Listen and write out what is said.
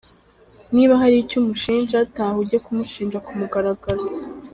Niba hari icyo umushinja taha ujye kumushinja ku mugaragaro!